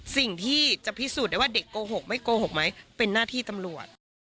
สิ่งที่จะพิสูจน์ได้ว่าเด็กโกหกไม่โกหกไหมเป็นหน้าที่ตำรวจ